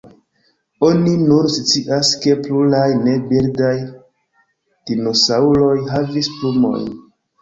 Oni nun scias ke pluraj ne-birdaj dinosaŭroj havis plumojn.